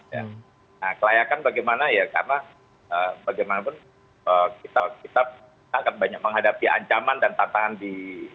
nah kelayakan bagaimana ya karena bagaimanapun kita akan banyak menghadapi ancaman dan tantangan di